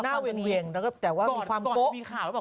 หน้าเวียงแต่ว่ามีความโป๊ะ